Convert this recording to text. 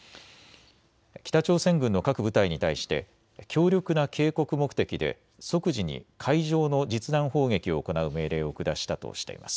北朝鮮軍の各部隊に対して強力な警告目的で即時に海上の実弾砲撃を行う命令を下したとしています。